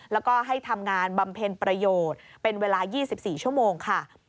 แล้วก็ให้ทำงานบำเพ็ญประโยชน์เป็นเวลา๒๔ชั่วโมงค่ะ